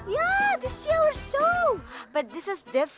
ya untuk melihat pembahasan kita